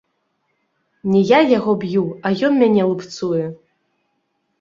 Не я яго б'ю, а ён мяне лупцуе.